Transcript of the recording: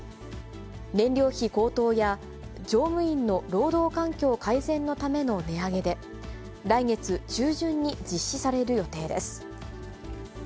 燃料費高騰や、乗務員の労働環境改善のための値上げで、来月中旬に実施される予定です。